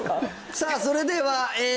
さあそれではえー